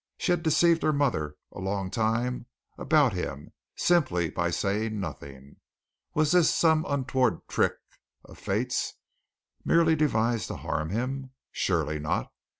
She had deceived her mother a long time about him simply by saying nothing. Was this some untoward trick of fate's, merely devised to harm him? Surely not.